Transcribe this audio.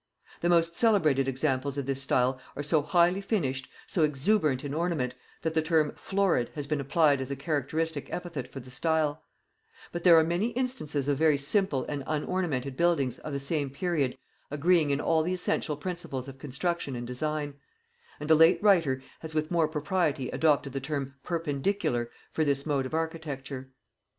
The most celebrated examples of this style are so highly finished, so exuberant in ornament, that the term florid has been applied as a characteristic epithet for the style; but there are many instances of very simple and unornamented buildings of the same period agreeing in all the essential principles of construction and design; and a late writer has with more propriety adopted the term perpendicular for this mode of architecture.